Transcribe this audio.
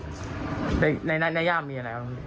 ในนาย่ามมีอะไร